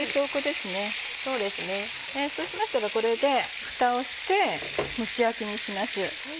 そうしましたらこれでフタをして蒸し焼きにします。